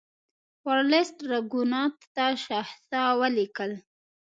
ورلسټ راګونات ته شخصا ولیکل.